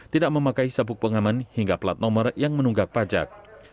tidak memakai sabuk pengaman hingga plat nomor yang menunggak pajak